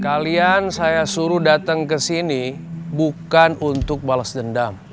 kalian saya suruh datang ke sini bukan untuk balas dendam